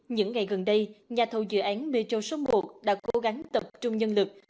những ngày gần đây nhà thầu dự án metro số một đã cố gắng tập trung nhân lực